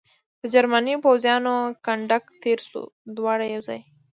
د جرمني پوځیانو کنډک تېر شو، دواړه یو ځای.